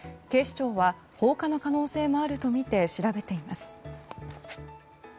警視庁は放火の可能性もあるとみて調べています。